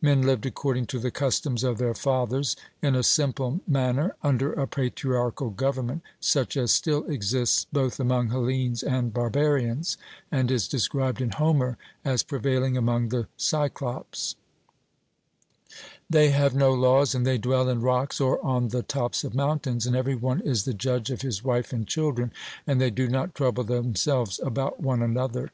Men lived according to the customs of their fathers, in a simple manner, under a patriarchal government, such as still exists both among Hellenes and barbarians, and is described in Homer as prevailing among the Cyclopes: 'They have no laws, and they dwell in rocks or on the tops of mountains, and every one is the judge of his wife and children, and they do not trouble themselves about one another.'